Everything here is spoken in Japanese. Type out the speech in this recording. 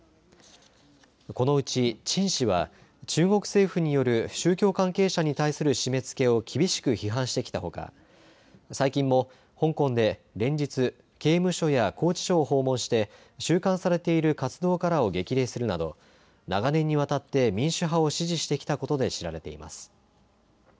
このうち陳氏は中国政府による宗教関係者に対する締めつけを厳しく批判してきたほか最近も香港で連日、刑務所や拘置所を訪問して収監されている活動家らを激励するなど長年にわたって民主派を支持してきたことで知られています。